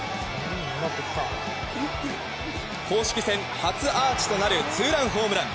公式戦初アーチとなるツーランホームラン！